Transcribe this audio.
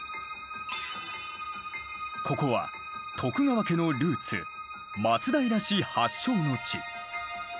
ここは徳川家のルーツ松平氏発祥の地。